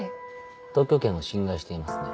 特許権を侵害していますね。